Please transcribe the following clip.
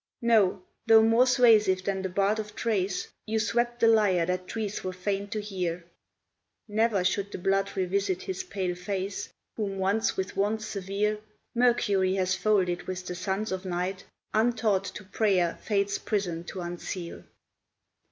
No, though more suasive than the bard of Thrace You swept the lyre that trees were fain to hear, Ne'er should the blood revisit his pale face Whom once with wand severe Mercury has folded with the sons of night, Untaught to prayer Fate's prison to unseal.